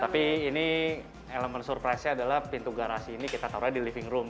tapi ini elemen surprise nya adalah pintu garasi ini kita taruhnya di living room